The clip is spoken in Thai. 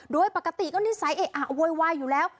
โดยปกติก็นิสัยเอ๊ะอะโวยวายอยู่แล้ว